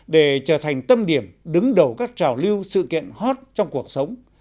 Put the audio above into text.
để trở thành tâm điểm đứng đầu các trào lưu sự kiện hot trong cuộc sống